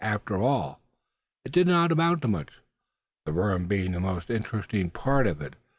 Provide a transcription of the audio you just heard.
After all, it did not amount to much, the worm being the most interesting part of it.